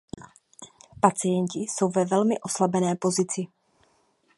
Pacienti jsou ve velmi oslabené pozici.